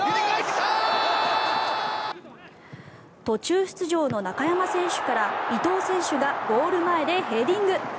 途中出場の中山選手から伊東選手がゴール前でヘディング。